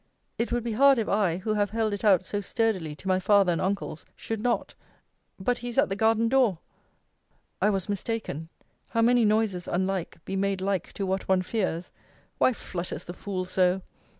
It would be hard, if I, who have held it out so sturdily to my father and uncles, should not but he is at the garden door I was mistaken! How many noises unlike, be made like to what one fears! Why flutters the fool so